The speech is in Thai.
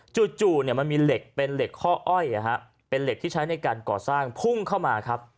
จู่มันมีเหล็กเป็นเหล็กข้ออ้อยเป็นเหล็กที่ใช้ในการก่อสร้างพุ่งเข้ามาครับ